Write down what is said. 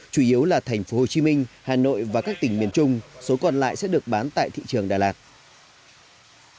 chủ yếu là thành phố hồ chí minh hà nội và các tỉnh miền trung số còn lại sẽ được bán tại thị trường đà lạt